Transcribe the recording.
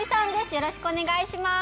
よろしくお願いします